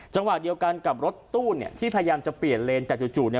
จังหวะเดียวกันกับรถตู้เนี่ยที่พยายามจะเปลี่ยนเลนแต่จู่จู่เนี่ย